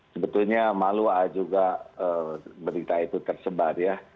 sebetulnya malu a juga berita itu tersebar ya